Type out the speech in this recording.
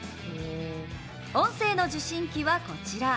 音声の受信機はこちら。